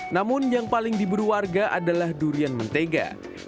namun yang paling diburu warga adalah durian mentega